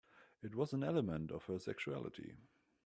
It was an element of her sexuality.